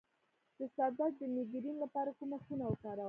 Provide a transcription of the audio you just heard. د سر درد د میګرین لپاره کومه خونه وکاروم؟